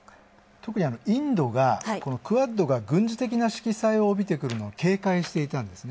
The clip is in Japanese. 特にインドがＱｕａｄが軍事的な色彩を帯びてくるのを警戒していたんですね。